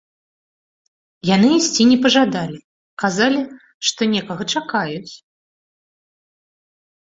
Яны ісці не пажадалі, казалі, што некага чакаюць!